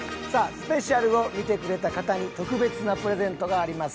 スペシャルを見てくれた方に特別なプレゼントがあります。